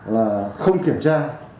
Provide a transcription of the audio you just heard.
là không kiểm tra